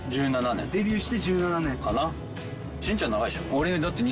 デビューして１７年。